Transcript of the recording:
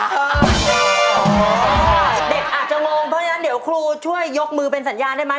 เด็กอาจจะงงเพราะฉะนั้นเดี๋ยวครูช่วยยกมือเป็นสัญญาณได้ไหม